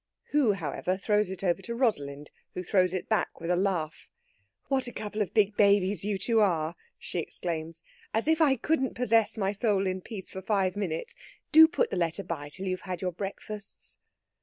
Who, however, throws it over to Rosalind, who throws it back with a laugh. "What a couple of big babies you two are!" she exclaims. "As if I couldn't possess my soul in peace for five minutes! Do put the letter by till you've had your breakfasts."